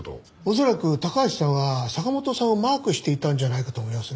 恐らく高橋さんは坂本さんをマークしていたんじゃないかと思いますね。